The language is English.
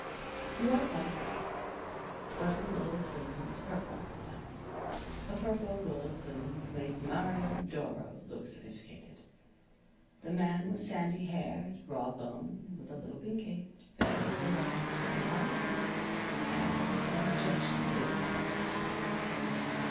You are quite right. But her willow plume was purple this time. A purple willow plume would make Mario Doro look sophisticated. The man was sandy haired, raw boned, with a loping gait, very blue eyes, very white teeth, and an objectionably apparent Adam's apple.